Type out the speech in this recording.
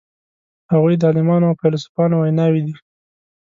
هغوی د عالمانو او فیلسوفانو ویناوی دي.